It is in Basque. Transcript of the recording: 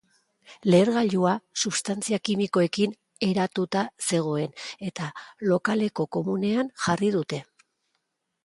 Lehergailua substantzia kimikoekin eratuta zegoen eta lokaleko komunean jarri dute.